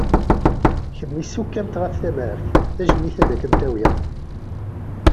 Kemm issuk-am-tt ɣef tamart, tajennit ad kem-tawi.